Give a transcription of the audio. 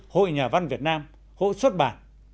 hội nhà văn việt nam hội xuất bản